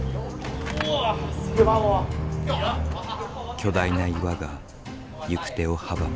巨大な岩が行く手を阻む。